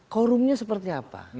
korumnya seperti apa